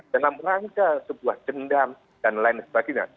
dalam rangka sebuah dendam dan lain sebagainya